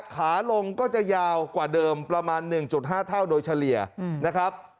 ขาลงก็จะยาวกว่าเดิมประมาณ๑๕เท่าโดยเฉลี่ยนะครับ